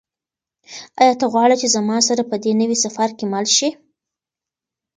آیا ته غواړې چې زما سره په دې نوي سفر کې مل شې؟